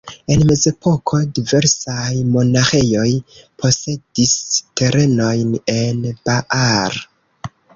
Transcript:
En mezepoko diversaj monaĥejoj posedis terenojn en Baar.